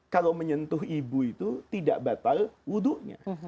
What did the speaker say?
kalau menyentuh ibu itu tidak batal wudhunya